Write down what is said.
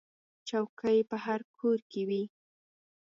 چوکۍ په هر کور کې وي.